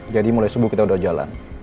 jadi mulai subuh kita udah jalan